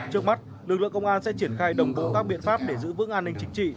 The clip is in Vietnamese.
trước mắt lực lượng công an sẽ triển khai đồng bộ các biện pháp để giữ vững an ninh chính trị